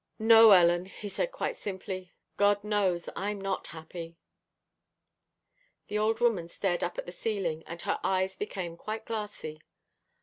"No, Ellen," he said quite simply, "God knows I'm not happy." The old woman stared up at the ceiling, and her eyes became quite glassy.